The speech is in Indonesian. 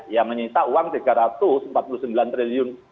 yang menyita uang rp tiga ratus empat puluh sembilan triliun